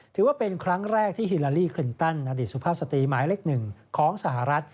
ถือว่าเป็นครั้งแรกที่ฮิลาลีคลินตันอดีตสุภาพสตรีหมายเล็กหนึ่งของสหรัฐ